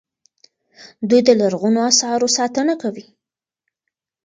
دوی د لرغونو اثارو ساتنه کوي.